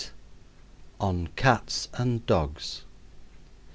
ON CATS AND DOGS.